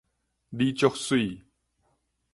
你足媠